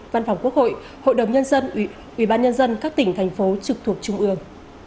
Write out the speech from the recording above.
văn phòng quốc hội hội đồng nhân dân ủy ban nhân dân các tỉnh thành phố trực thuộc trung ương